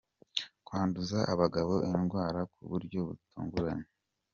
Kwanduza abagabo indwara ku buryo butunguranye.